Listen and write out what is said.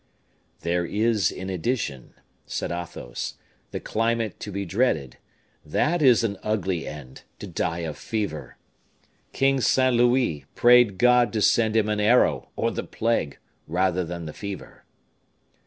"There is in addition," said Athos, "the climate to be dreaded: that is an ugly end, to die of fever! King Saint Louis prayed God to send him an arrow or the plague, rather than the fever."